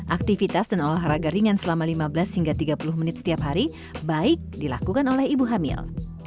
aktivitas dan olahraga ringan selama lima belas hingga tiga puluh menit setiap hari baik dilakukan oleh ibu hamil